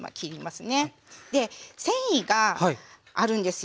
で繊維があるんですよ。